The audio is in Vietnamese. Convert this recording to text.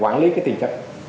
quản lý cái tiền chất